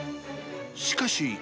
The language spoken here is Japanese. しかし。